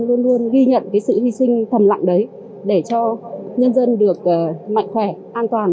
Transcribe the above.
luôn luôn ghi nhận sự hy sinh thầm lặng đấy để cho nhân dân được mạnh khỏe an toàn